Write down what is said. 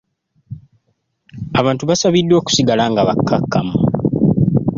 Abantu baasabiddwa okusigala nga bakakkamu.